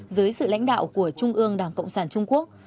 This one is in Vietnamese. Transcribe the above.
dưới sự lãnh đạo của trung ương đảng cộng sản trung quốc